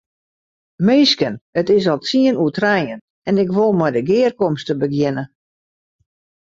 Minsken, it is al tsien oer trijen en ik wol mei de gearkomste begjinne.